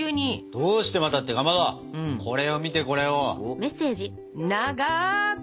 どうしてまたってかまどこれを見てこれを。